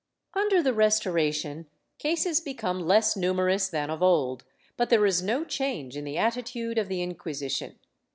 ^ Under the Restoration, cases become less numerous than of old, but there is no change in the attitude of the Inquisition.